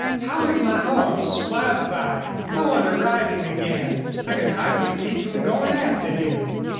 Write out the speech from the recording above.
... How is my horse, Wildfire? I want to ride him again. I can hardly keep from going after him."